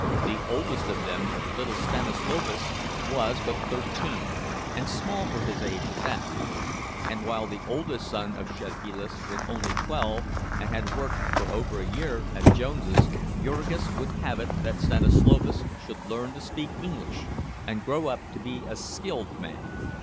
The oldest of them, little Stanislovas, was but thirteen, and small for his age at that; and while the oldest son of Szedvilas was only twelve, and had worked for over a year at Jones's, Jurgis would have it that Stanislovas should learn to speak English, and grow up to be a skilled man.